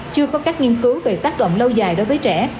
chưa có các nghiên cứu về tác động lâu dài đối với trẻ